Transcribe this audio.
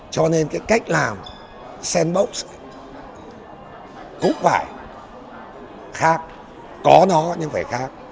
cho nên cái cách làm sandbox cũng phải khác có nó nhưng phải khác